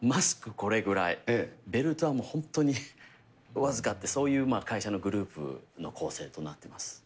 これぐらい、ベルトはもう本当に僅かって、そういう会社のグループの構成となっています。